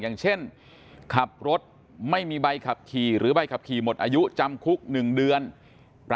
ทั้งจำคลุกและก็ปรับหลายคดีหลายก่อนพิศนะแต่ดูค่ะ